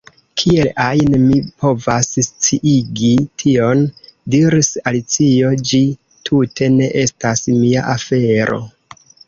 "Kiel ajn mi povas sciigi tion?" diris Alicio, "ĝi tute ne estas mia afero."